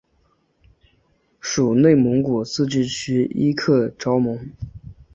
属内蒙古自治区伊克昭盟。